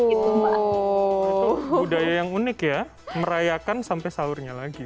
itu budaya yang unik ya merayakan sampai sahurnya lagi